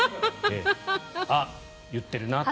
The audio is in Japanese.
あ、言ってるなと。